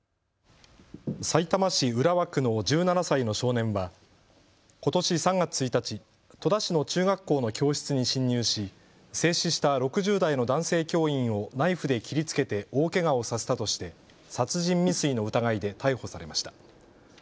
さいたま市浦和区の１７歳の少年はことし３月１日、戸田市の中学校の教室に侵入し、制止した６０代の男性教員をナイフで切りつけて大けがをさせたとして殺人未遂の疑いで逮捕されました。